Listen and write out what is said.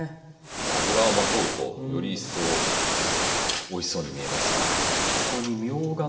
やっぱり脂をまとうとより一層おいしそうに見えますよね。